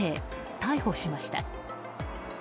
逮捕しました。